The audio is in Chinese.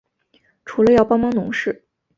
除了要帮忙农事